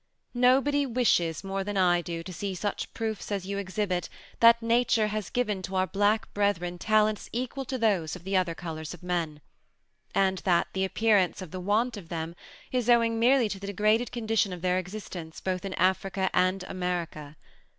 Nobody wishes more than I do, to see such proofs as you exhibit, that nature has given to our black brethren talents equal to those of the other colors of men; and that the appearance of the want of them is owing merely to the degraded condition of their existence, both in Africa and America.